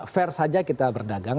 fair saja kita berdagang